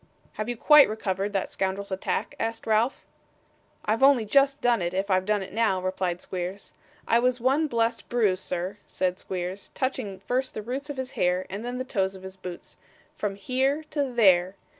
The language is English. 'Have you quite recovered that scoundrel's attack?' asked Ralph. 'I've only just done it, if I've done it now,' replied Squeers. 'I was one blessed bruise, sir,' said Squeers, touching first the roots of his hair, and then the toes of his boots, 'from HERE to THERE.